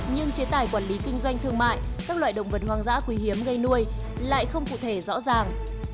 nhưng chế tài quản lý kinh doanh thương mại các loại động vật hoang dã quý hiếm gây nuôi lại không cụ thể rõ ràng